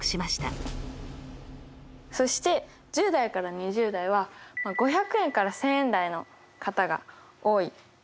そして１０代から２０代は５００円から１，０００円台の方が多い。